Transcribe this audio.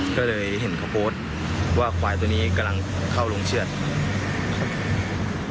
ก็เลยเห็นข้าวโปรดว่าควายตัวนี้กำลังเข้าลงเชือก